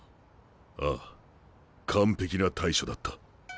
ああ完璧な対処だった。